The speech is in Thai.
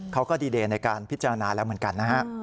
เขาก็ดีเดย์ในการพิจารณาแล้วเหมือนกันนะฮะ